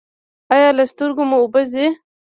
ایا له سترګو مو اوبه ځي؟